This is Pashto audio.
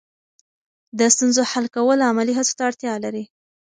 د ستونزو حل کول عملي هڅو ته اړتیا لري.